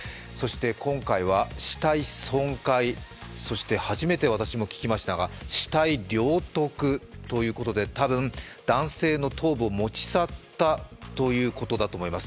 今回は死体損壊、そして初めて私も聞きましたが死体領得ということで多分、男性の頭部を持ち去ったということだと思います。